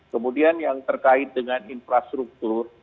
kemudian yang terkait dengan infrastruktur